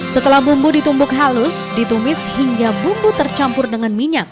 setelah bumbu ditumbuk halus ditumis hingga bumbu tercampur dengan minyak